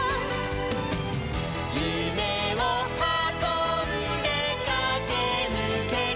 「ゆめをはこんでかけぬける」